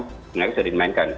sebenarnya sudah dimainkan